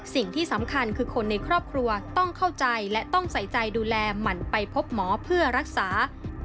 สิ่งที่สำคัญคือคนในครอบครัวต้องเข้าใจและต้องใส่ใจดูแลหมั่นไปพบหมอเพื่อรักษา